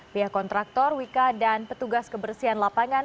pihak kontraktor wika dan petugas kebersihan lapangan